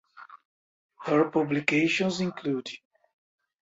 Her publications include